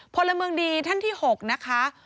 ผลเมืองดีอีศผู้หญิงท่านที่๖